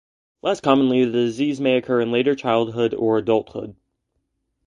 Less commonly the disease may occur in later childhood or adulthood.